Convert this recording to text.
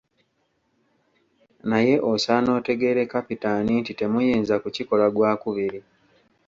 Naye osaana otegeere Kapitaani nti temuyinza kukikola gwa kubiri!